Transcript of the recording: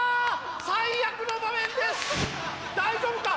大丈夫か？